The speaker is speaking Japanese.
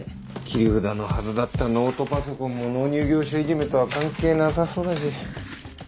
切り札のはずだったノートパソコンも納入業者いじめとは関係なさそうだし。